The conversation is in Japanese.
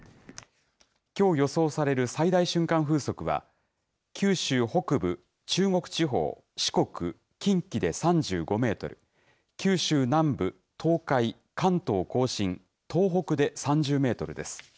きょう予想される最大瞬間風速は、九州北部、中国地方、四国、近畿で３５メートル、九州南部、東海、関東甲信、東北で３０メートルです。